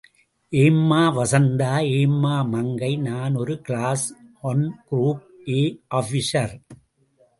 ஏம்மா வசந்தா ஏம்மா மங்கை நான் ஒரு class one, group A officer.